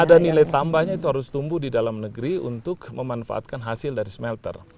ada nilai tambahnya itu harus tumbuh di dalam negeri untuk memanfaatkan hasil dari smelter